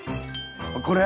これ？